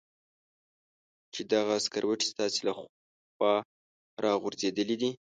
چې دغه سکروټې ستاسې له خوا را غورځېدلې دي.